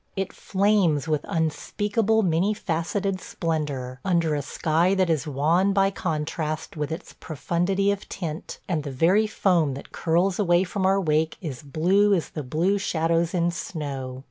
It flames with unspeakable, many faceted splendor, under a sky that is wan by contrast with its profundity of tint, and the very foam that curls away from our wake is blue as the blue shadows in snow.